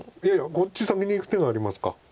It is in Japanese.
こっち先にいく手がありますか。